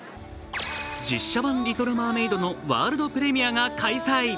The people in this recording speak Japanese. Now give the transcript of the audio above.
実写版「リトル・マーメイド」のワールドプレミアが開催。